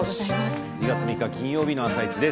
２月３日金曜日の「あさイチ」です。